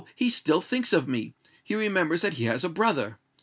he still thinks of me—he remembers that he has a brother.